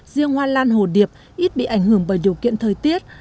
riêng hoa lan hồ điệp ít bị ảnh hưởng bởi điều kiện thời tiết